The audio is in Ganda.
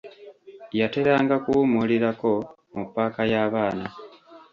Yateranga kuwumulirako mu paaka y'abaana.